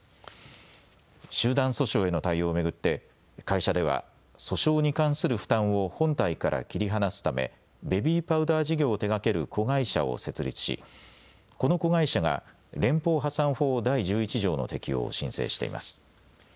集団訴訟への対応を巡って会社では訴訟に関する負担を本体から切り離すためベビーパウダー事業を手がける子会社を設立しこの子会社が連邦破産法第１１条の適用を申請しています。